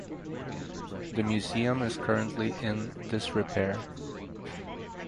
The museum is currently in disrepair.